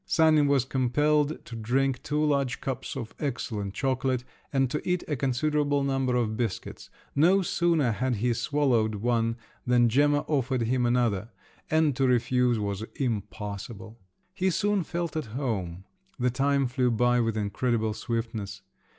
Sanin was compelled to drink two large cups of excellent chocolate, and to eat a considerable number of biscuits; no sooner had he swallowed one than Gemma offered him another—and to refuse was impossible! He soon felt at home: the time flew by with incredible swiftness.